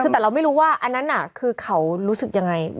คือแต่เราไม่รู้ว่าอันนั้นคือเขารู้สึกยังไง